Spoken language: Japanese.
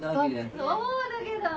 そうだけど！